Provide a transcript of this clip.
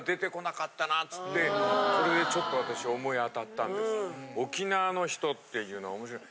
これでちょっと私は思い当たったんです。